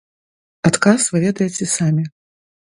Адказ вы ведаеце самі.